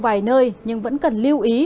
vài nơi nhưng vẫn cần lưu ý